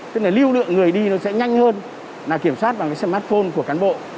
tức là lưu lượng người đi nó sẽ nhanh hơn là kiểm soát bằng cái smartphone của cán bộ